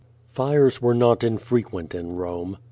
Fires were not infrequent in Rome.